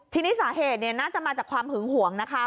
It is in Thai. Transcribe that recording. ทีนี้สาเหตุน่าจะมาจากความหึงหวงนะคะ